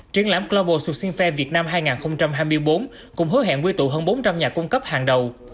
triển lãm global sucing fai việt nam hai nghìn hai mươi bốn cũng hứa hẹn quy tụ hơn bốn trăm linh nhà cung cấp hàng đầu